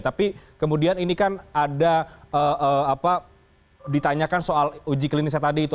tapi kemudian ini kan ada ditanyakan soal uji klinisnya tadi itu